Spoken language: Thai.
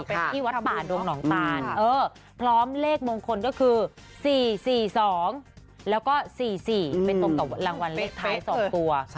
เป็นที่วัฒนาบาลดรมนองตาลพร้อมเลขมงคลก็คือ๔๔๒แล้วก็๔๔เป็นตรงต่อรางวัลเลขท้าย๒ตัว